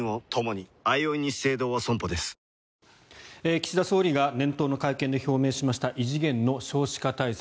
岸田総理が年頭の会見で表明しました異次元の少子化対策。